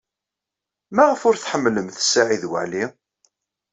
Maɣef ur tḥemmlemt Saɛid Waɛli?